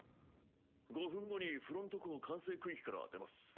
５分後にフロント港管制区域から出ます。